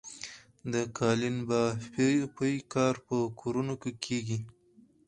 د قالینبافۍ کار په کورونو کې کیږي؟